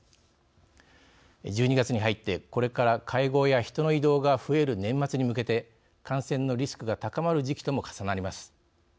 １２月に入ってこれから会合や人の移動が増える年末に向けて感染のリスクが高まる時期とも重なります。